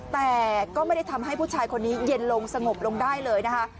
แต่ก็ไม่ได้ทำให้ผู้ชายคนนี้เย็นลงสงบลงได้เลยนะคะ